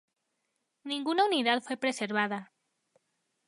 Ninguna unidad fue preservada.